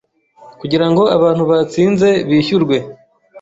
kugira ngo abantu batsinze bishyurwe”.